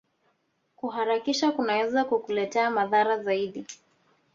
Kuharakisha kunaweza kukuletea madhara zaidi